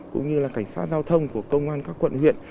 cũng như là cảnh sát giao thông của công an các quận huyện